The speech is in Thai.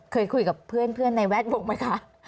เคยคุยกับเพื่อนในแวดวงไหมคะ